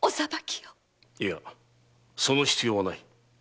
いやその必要はない。